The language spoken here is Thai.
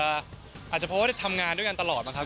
อาจจะเพราะว่าทำงานด้วยกันตลอดมั้งครับ